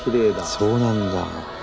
そうなんだ。